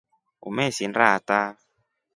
Umesinda ata.